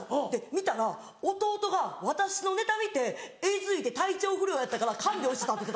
見たら弟が私のネタ見てえずいて体調不良やったから看病してたって。